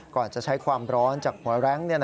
ก่อนจะใช้ความร้อนจากหัวแรง